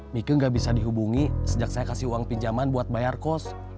mika gak bisa dihubungi sejak saya kasih uang pinjaman buat bayar kos